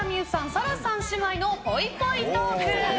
紗来さん姉妹のぽいぽいトーク。